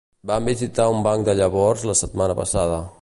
Vam visitar un banc de llavors la setmana passada.